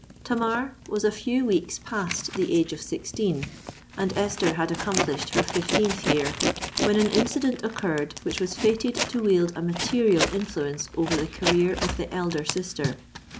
Tamar was a few weeks past the age of sixteen, and Esther had accomplished her fifteenth year, when an incident occurred which was fated to wield a material influence over the career of the elder sister.